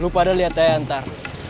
lu pada liat ya ntar